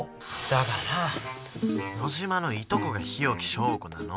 だから野嶋のいとこが日置昭子なの。